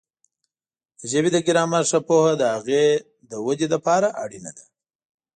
د ژبې د ګرامر ښه پوهه د هغې د وده لپاره اړینه ده.